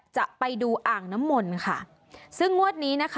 จะไปดูอ่างน้ำมนต์ค่ะซึ่งงวดนี้นะคะ